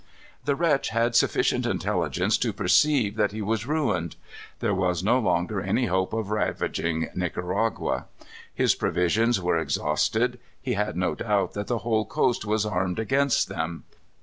The wretch had sufficient intelligence to perceive that he was ruined. There was no longer any hope of ravaging Nicaragua. His provisions were exhausted. He had no doubt that the whole coast was armed against them.